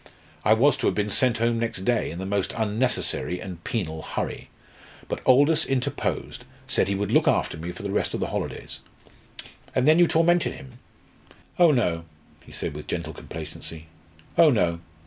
I was to have been sent home next day, in the most unnecessary and penal hurry. But Aldous interposed said he would look after me for the rest of the holidays." "And then you tormented him?" "Oh no!" he said with gentle complacency. "Oh no!